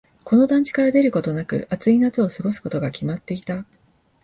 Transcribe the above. この団地から出ることなく、暑い夏を過ごすことが決まっていた。